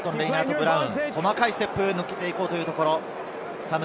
細かいステップで抜けていこうというところ。